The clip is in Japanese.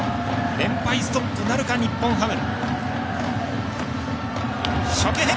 連敗ストップなるか、日本ハム。